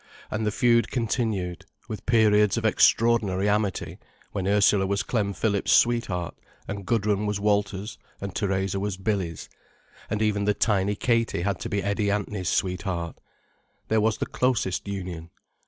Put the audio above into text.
And the feud continued, with periods of extraordinary amity, when Ursula was Clem Phillips's sweetheart, and Gudrun was Walter's, and Theresa was Billy's, and even the tiny Katie had to be Eddie Ant'ny's sweetheart. There was the closest union.